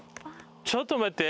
ちょっと待って！